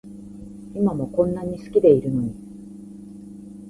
今もこんなに好きでいるのに